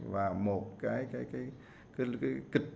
và một cái